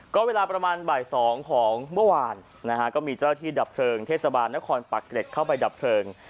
ก็เวลาประมาณบ่าย๒ของเมื่อวานนะฮะก็มีเจ้าที่ดับเพลิงเทศบาลนครปักเกร็ดเข้าไปดับเพลิง